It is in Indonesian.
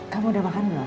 kamu udah makan belum